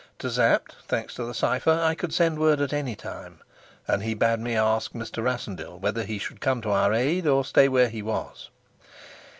To Sapt, thanks to the cipher, I could send word at any time, and he bade me ask Mr. Rassendyll whether he should come to our aid, or stay where he was.